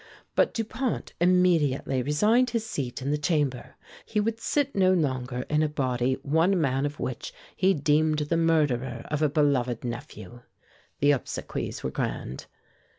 But Dupont immediately resigned his seat in the Chamber. He would sit no longer in a body one man of which he deemed the murderer of a beloved nephew. The obsequies were grand.